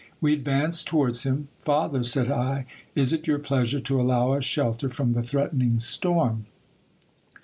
We ad vanced towards him. Father, said I, is it your pleasure to allow us shelter from the threatening storm